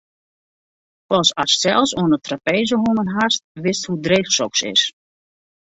Pas ast sels oan 'e trapeze hongen hast, witst hoe dreech soks is.